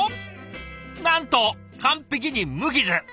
なんと完璧に無傷！